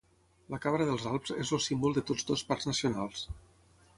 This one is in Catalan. La cabra dels Alps és el símbol de tots dos parcs nacionals.